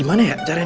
aduh aduh aduh aduh